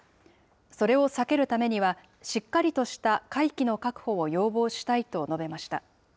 それを避けるためには、しっかりとした会期の確保を要望したいと述べました。